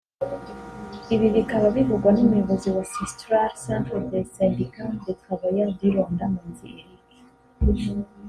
Ibi bikaba bivugwa n’umuyobozi wa Cestrar (Centre des syndicats des travailleurs du Rwanda) Manzi Eric